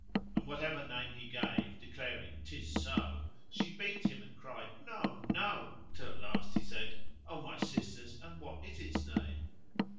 And whatever name he gave declaring " 'Tis so," she beat him and cried "No! no!" till at last he said, "O my sisters, and what is its name?"